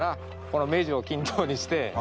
この目地を均等にして。